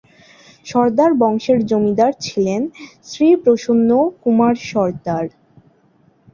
সর্দার বংশের জমিদার ছিলেন শ্রী প্রসন্ন কুমার সর্দার।